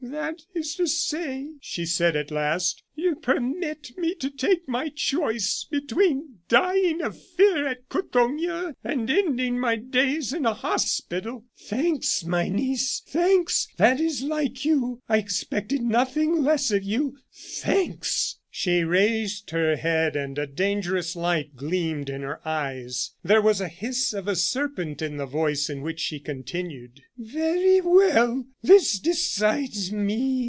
"That is to say," she said, at last, "you permit me to take my choice between dying of fear at Courtornieu and ending my days in a hospital. Thanks, my niece, thanks. That is like you. I expected nothing less of you. Thanks!" She raised her head, and a dangerous light gleamed in her eyes. There was the hiss of a serpent in the voice in which she continued: "Very well! this decides me.